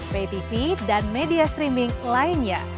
ptv dan media streaming lainnya